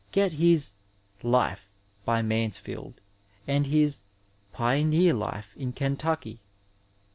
Get his Zit/e, hj Mansfield, and his Pitmear Life in Kentuehy.